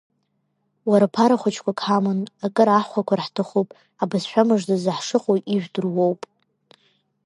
Уара ԥара хәыҷқәак ҳаман, акы ааҳхәақәар ҳҭахуп, абызшәа мыждазы ҳшыҟоу ижәдыруоуп?!